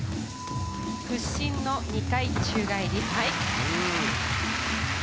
屈身の２回宙返り。